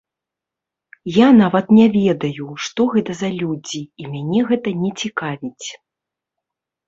Я нават не ведаю, што гэта за людзі і мяне гэта не цікавіць.